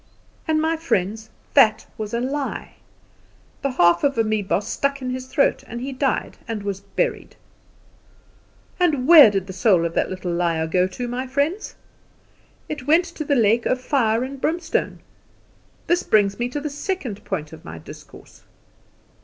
And, my friends, that was a lie. The half of a meiboss stuck in his throat and he died and was buried. And where did the soul of that little liar go to, my friends? It went to the lake of fire and brimstone. This brings me to the second point of my discourse.